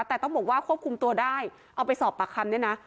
แต่ต้องบอกว่าควบคุมตัวได้เอาไปสอบปากคำเนี่ยนะ